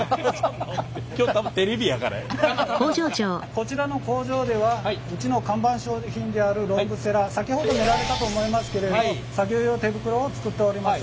こちらの工場ではうちの看板商品であるロングセラー先ほど見られたと思いますけれど作業用手袋を作っております。